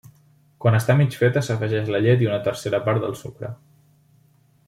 Quan està mig feta s'afegeix la llet i una tercera part del sucre.